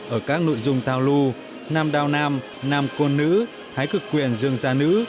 ở các nội dung thao lưu nam đao nam nam con nữ hái cực quyền dương gia nữ